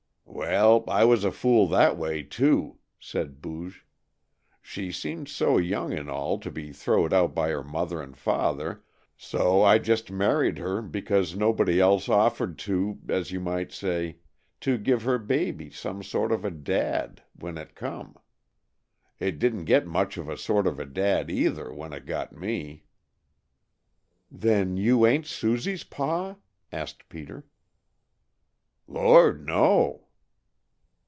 "Well, I was a fool that way, too," said Booge. "She seemed so young and all, to be throwed out by her mother and father, so I just married her because nobody else offered to, as you might say, to give her baby some sort of a dad when it come. It didn't get much of a sort of a dad, either, when it got me. "Then you ain't Susie's pa?" asked Peter. "Lord, no!"